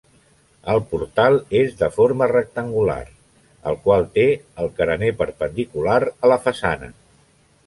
El portal és de forma rectangular, el qual té el carener perpendicular a la façana.